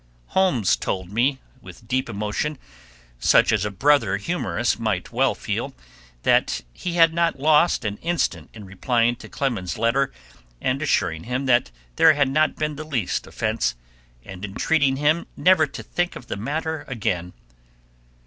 Holmes told me, with deep emotion, such as a brother humorist might well feel, that he had not lost an instant in replying to Clemens's letter, and assuring him that there had not been the least offence, and entreating him never to think of the matter again.